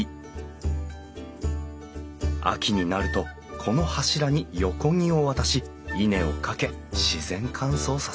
秋になるとこの柱に横木を渡し稲をかけ自然乾燥させる。